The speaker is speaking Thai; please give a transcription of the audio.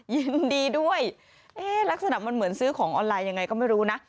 ยินดีด้วยลักษณะมันเหมือนซื้อของออนไลน์ยังไงก็ไม่รู้นะ